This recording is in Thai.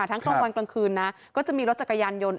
กลางวันกลางคืนนะก็จะมีรถจักรยานยนต์